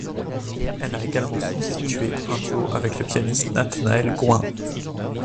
Elle a également constitué un duo avec le pianiste Nathanaël Gouin.